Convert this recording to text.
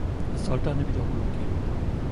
Es sollte eine Wiederholung geben.